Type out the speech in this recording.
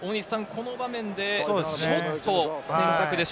この場面で、ちょっと。